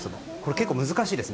結構難しいです